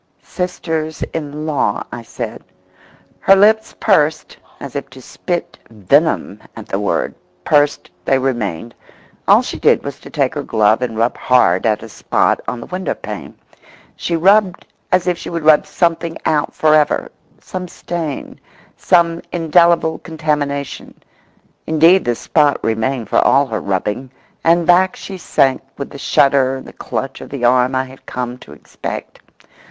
"Sisters in law," I said—Her lips pursed as if to spit venom at the word; pursed they remained. All she did was to take her glove and rub hard at a spot on the window pane. She rubbed as if she would rub something out for ever—some stain, some indelible contamination. Indeed, the spot remained for all her rubbing, and back she sank with the shudder and the clutch of the arm I had come to expect.